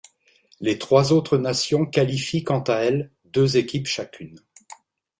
Les trois autres nations qualifient quant à elles deux équipes chacune.